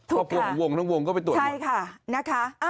ครอบครัวของวงทั้งวงก็ไปตรวจสอบใช่ค่ะนะคะ